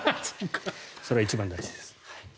それが一番大事です。